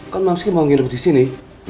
kan mamski mau ngidup di sini